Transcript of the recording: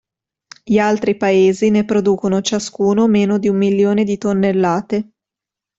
Gli altri paesi ne producono ciascuno meno di un milione di tonnellate.